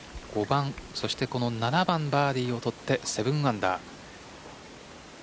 ５番そして７番バーディーを取って７アンダー。